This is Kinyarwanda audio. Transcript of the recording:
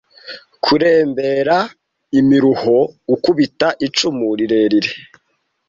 Kurembere imuroha: Gukubita icumu rirerire.